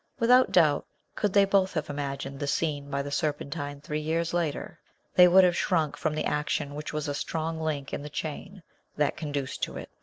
Without doubt, could they both have imagined the scene by the Serpentine three years later, they would have shrunk from the action which was a strong link in the chain that conduced to it.